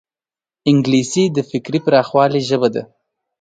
انګلیسي د فکري پراخوالي ژبه ده